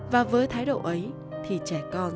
và với thái độ ấy thì trẻ con